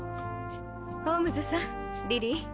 ホームズさんリリー。